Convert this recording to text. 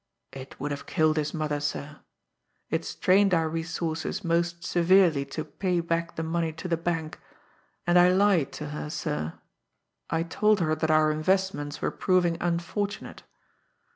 "It would have killed his mother, sir. It strained our resources most severely to pay back the money to the bank, and I lied to her, sir I told her that our investments were proving unfortunate.